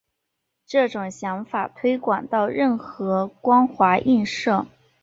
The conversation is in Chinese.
这种想法推广到任何光滑映射。